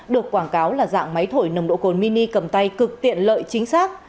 được quảng cáo là dạng máy thổi nồng độ cồn mini cầm tay cực tiện lợi chính xác